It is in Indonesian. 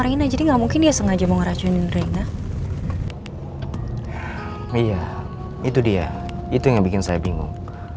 rina jadi nggak mungkin dia sengaja mau ngeracunin itu dia itu yang bikin saya bingung